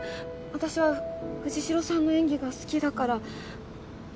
私は藤代さんの演技が好きだから。